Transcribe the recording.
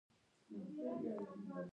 چینايي پوهنتونونه د اقتصاد څانګې لري.